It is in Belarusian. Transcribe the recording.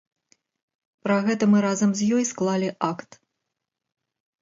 Пра гэта мы разам з ёй склалі акт.